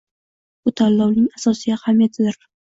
Bu tanlovning asosiy ahamiyatidir.